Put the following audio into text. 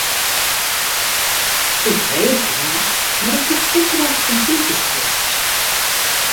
Ik lês graach mar ik doch ek graach kompjûterspultsjes.